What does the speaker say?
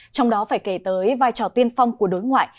trong đó phải kể tới vai trò tiên phong của đối ngoại